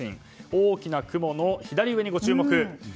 大きな雲の左上にご注目。